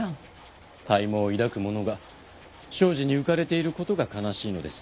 大望を抱く者が小事に浮かれていることが悲しいのです。